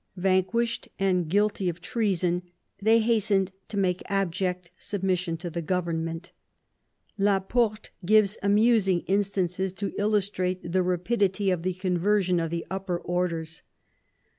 Vanquished and guilty of treason, they hastened to make abject submission to the government. La Porte gives several amusing instances to illustrate the rapidity of the conversion of the upper orders.